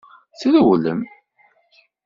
Trewlem.